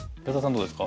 どうですか？